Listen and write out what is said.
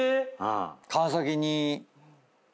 川崎に。